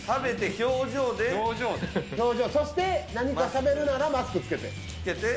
表情、そして何かしゃべるならマスク着けて。